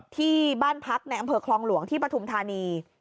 ที่บ้านพักในอำเภอคลองหลวงที่ปฐุมธานี